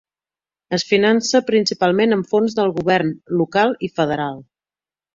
Es finança principalment amb fons del govern local i federal.